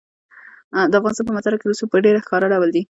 د افغانستان په منظره کې رسوب په ډېر ښکاره ډول دي.